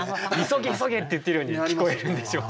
急げ急げ！って言ってるように聞こえるんでしょうね。